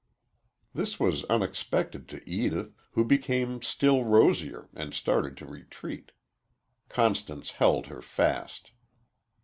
This was unexpected to Edith, who became still rosier and started to retreat. Constance held her fast.